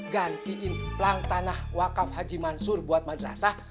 gantiin pelang tanah wakaf haji mansur buat madrasah